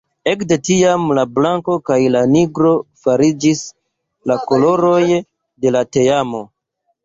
Ekde tiam la blanko kaj la nigro fariĝis la koloroj de la teamo.